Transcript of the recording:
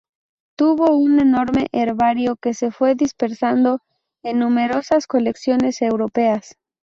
Tuvo un enorme herbario, que se fue dispersando en numerosas colecciones europeas.